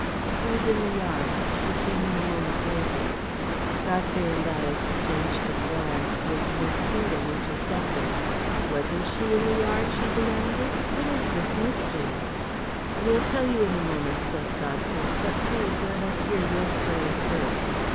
"She was in the yard she came in a moment later." Godfrey and I exchanged a glance, which Miss Kingdon intercepted. "Wasn't she in the yard?" she demanded. "What is this mystery?" "We'll tell you in a moment," said Godfrey; "but please let us hear your story first.